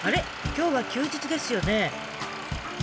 今日は休日ですよね？